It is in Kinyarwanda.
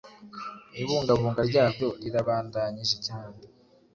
ibungabunga ryabyo rirabandanyije cyane